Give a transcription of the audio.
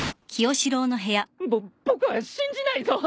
ぼ僕は信じないぞ！